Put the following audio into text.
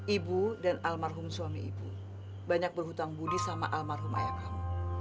ibu dan almarhum suami ibu banyak berhutang budi sama almarhum ayah kamu